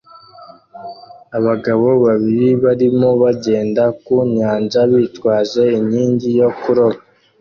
Abagabo babiri barimo bagenda ku nyanja bitwaje inkingi yo kuroba